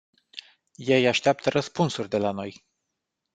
Ei așteaptă răspunsuri de la noi.